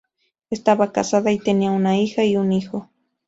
Estaba casada y tenía una hija y un hijo.